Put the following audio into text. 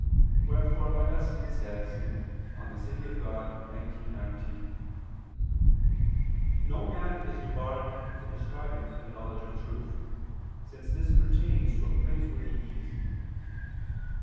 Wherefore Augustine says (De Civ. Dei xix, 19): "No man is debarred from striving for the knowledge of truth, since this pertains to a praiseworthy ease."